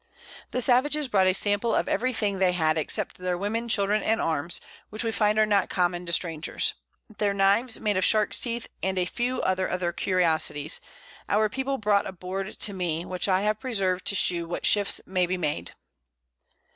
The Savages brought a Sample of every thing they had except their Women, Children, and Arms, which we find are not common to Strangers: Their Knives made of Sharks Teeth, and a few other of their Curiosities, our People brought aboard to me, which I have preserved to shew what Shifts may be made.